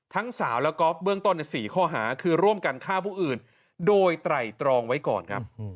สาวและกอล์ฟเบื้องต้นใน๔ข้อหาคือร่วมกันฆ่าผู้อื่นโดยไตรตรองไว้ก่อนครับ